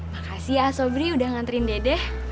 makasih ya aso beri udah nganterin dede